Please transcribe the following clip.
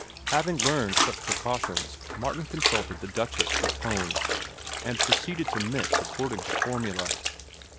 Having learned such precautions, Martin consulted "The Duchess" for tone, and proceeded to mix according to formula.